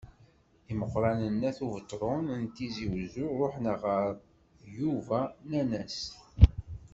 Imeqqranen n At Ubetṛun n Tizi Wezzu ṛuḥen ɣer Yuba, nnan-as-t.